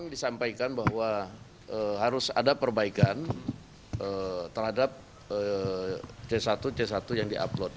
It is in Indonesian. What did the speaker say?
disampaikan bahwa harus ada perbaikan terhadap c satu c satu yang di upload